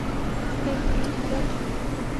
হেই, তুমি ঠিক আছ?